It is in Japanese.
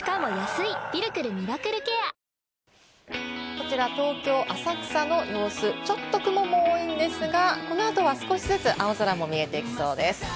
こちら東京・浅草の様子、ちょっと雲も多いんですが、この後は少しずつ青空も見えてきそうです。